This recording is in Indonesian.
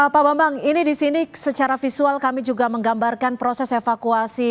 pak bambang ini di sini secara visual kami juga menggambarkan proses evakuasi